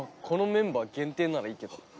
このメンバー限定ならいいけど。